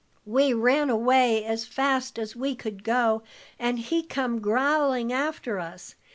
"We ran away as fast as we could go, and he come growling after us.